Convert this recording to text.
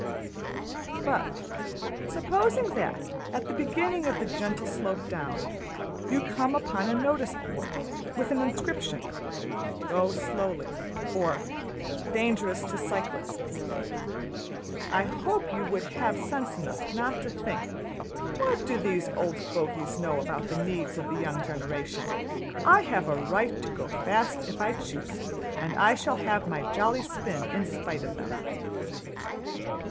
But supposing that, at the beginning of the gentle slope down, you come upon a notice board with an inscription ``Go slowly,'' or ``Dangerous to cyclists,'' I hope you would have sense enough not to think ``What do those old fogies know about the needs of the young generation? I have a right to go fast if I choose, and I shall have my jolly spin in spite of them.''